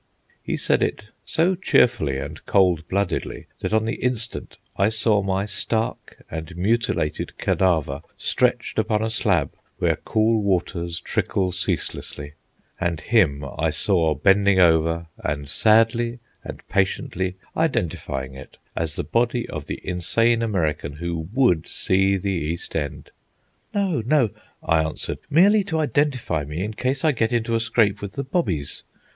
He said it so cheerfully and cold bloodedly that on the instant I saw my stark and mutilated cadaver stretched upon a slab where cool waters trickle ceaselessly, and him I saw bending over and sadly and patiently identifying it as the body of the insane American who would see the East End. "No, no," I answered; "merely to identify me in case I get into a scrape with the 'bobbies.